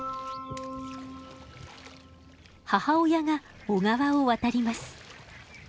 母親が小川を渡ります。